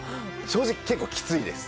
正直結構きついです。